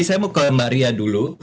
saya mau ke mbak ria dulu